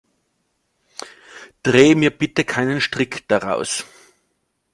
Dreh mir bitte keinen Strick daraus.